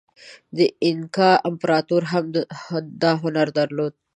د اینکا امپراتورۍ هم دا هنر درلود.